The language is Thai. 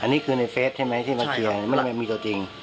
อันนี้คือในเฟสใช่ไหมที่มาเคลียร์ไม่มีตัวจริง